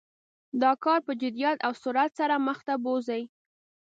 دا کار په جدیت او سرعت سره مخ ته بوزي.